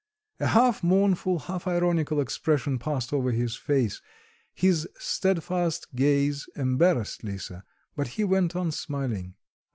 A half mournful, half ironical expression passed over his face. His steadfast gaze embarrassed Lisa, but he went on smiling.